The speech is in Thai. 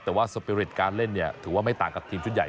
แต่ว่าสปิริตการเล่นเนี่ยถือว่าไม่ต่างกับทีมชุดใหญ่